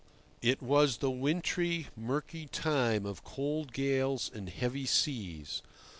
It was the wintry, murky time of cold gales and heavy seas.